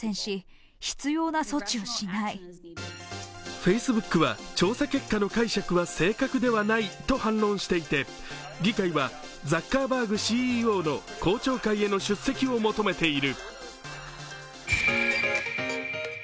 フェイスブックは調査結果の解釈は正確ではないと反論していて議会はザッカーバーグＣＥＯの公聴会への出席を求めている。